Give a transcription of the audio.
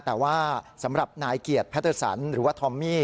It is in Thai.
แต่ว่าสำหรับนายเกียรติแพทเตอร์สันหรือว่าทอมมี่